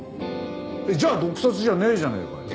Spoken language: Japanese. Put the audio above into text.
じゃあ毒殺じゃねえじゃねえかよ！